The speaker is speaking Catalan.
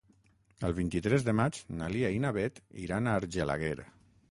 El vint-i-tres de maig na Lia i na Beth iran a Argelaguer.